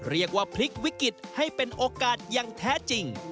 เรียกว่าพลิกวิกฤตให้เป็นโอกาสอย่างแท้จริง